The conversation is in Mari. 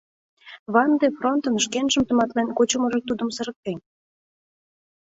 Ван дер Фронтын шкенжым тыматлын кучымыжо тудым сырыктен.